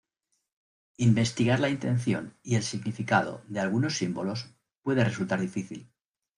Investigar la intención y el significado de algunos símbolos puede resultar difícil.